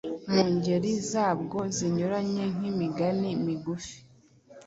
mu ngeri zabwo zinyuranye nk’imigani migufi,